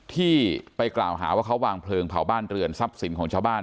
ที่ไปกล่าวหาว่าเขาวางเพลิงเผาบ้านเรือนทรัพย์สินของชาวบ้าน